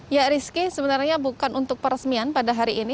ya rizky sebenarnya bukan untuk peresmian pada hari ini